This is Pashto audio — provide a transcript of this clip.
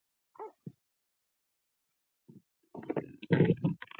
هیلۍ د آزاد ژوند نمادیه ده